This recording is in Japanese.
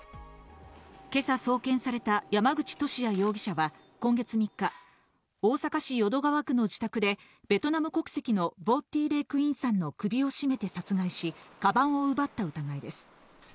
今朝、送検された山口利家容疑者は今月３日、大阪市淀川区の自宅でベトナム国籍のヴォ・ティ・レ・クインさんの首を絞めて殺害し、かばんを奪った疑いです。